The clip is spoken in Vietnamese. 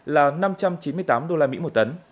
là năm trăm chín mươi tám usd một tấn